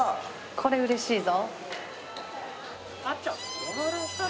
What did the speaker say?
これうれしいぞ。